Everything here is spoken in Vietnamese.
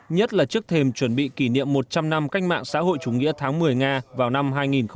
nhất là trước thêm chuẩn bị kỷ niệm một trăm linh năm cách mạng xã hội chủ nghĩa tháng một mươi nga vào năm hai nghìn một mươi bảy